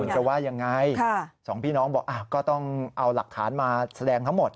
จะว่ายังไงสองพี่น้องบอกก็ต้องเอาหลักฐานมาแสดงทั้งหมด